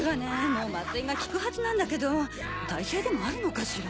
もう麻酔が効くはずなんだけど耐性でもあるのかしら？